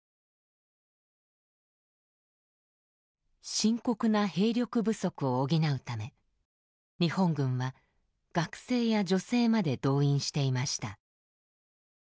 深刻な兵力不足を補うため日本軍は学生や女性まで動員していました。